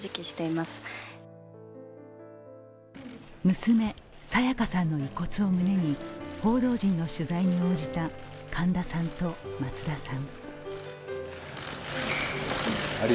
娘、沙也加さんの遺骨を胸に報道陣の取材に応じた神田さんと松田さん。